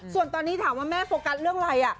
ส่วนตอนนี้ถามว่าแม่โฟกัสเรื่องอะไร